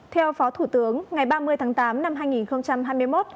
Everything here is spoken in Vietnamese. theo phó thủ tướng ngày ba mươi tháng tám năm hai nghìn hai mươi một